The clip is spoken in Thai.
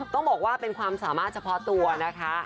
ต้องบอกว่าเป็นความสามารถเฉพาะตัวนะคะ